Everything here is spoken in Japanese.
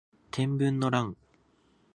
天文の乱